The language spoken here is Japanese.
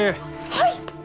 はい！